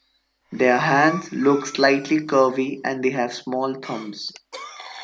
Their hands look slightly curvy and they have small thumbs.